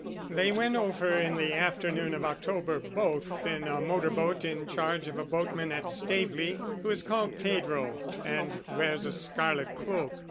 "They went over in the afternoon of October both in a motor boat in charge of a boatman at Staveley, who is called Pedro, and wears a scarlet cloak.